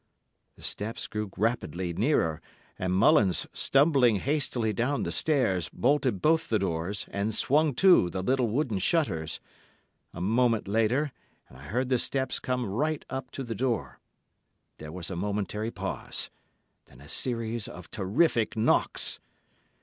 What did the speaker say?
The steps grew rapidly nearer, and Mullins, stumbling hastily down the stairs, bolted both the doors and swung to the little wooden shutters. A moment later, and I heard the steps come right up to the door. There was a momentary pause, then a series of terrific knocks.